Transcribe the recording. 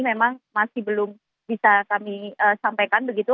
memang masih belum bisa kami sampaikan begitu